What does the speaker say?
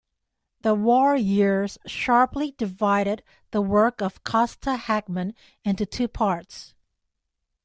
The war years sharply divided the work of Kosta Hakman into two parts.